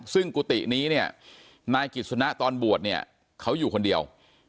ซึ่งกุฏินี้เนี่ยนายกิจสนะตอนบวชเนี่ยเขาอยู่คนเดียว